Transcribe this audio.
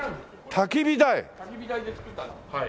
焚き火台で作ったはい。